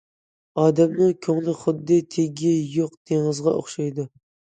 ئادەمنىڭ كۆڭلى خۇددى تېگى يوق دېڭىزغا ئوخشايدۇ.